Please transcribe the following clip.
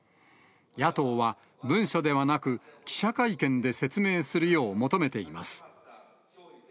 野党は文書ではなく、記者会見で説明するよう求めています。